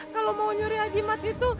kalau mau nyari ajimat itu